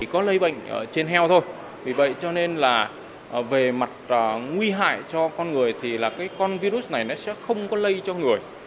có lây bệnh trên heo thôi vì vậy cho nên là về mặt nguy hại cho con người thì là cái con virus này sẽ không có lây cho người